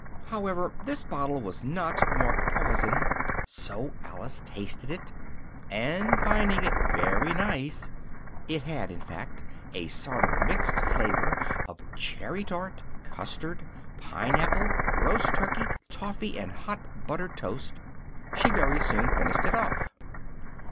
However, this bottle was not marked poison, so Alice tasted it, and finding it very nice, (it had, in fact, a sort of mixed flavour of cherry tart, custard, pine apple, roast turkey, toffy, and hot buttered toast,) she very soon finished it off.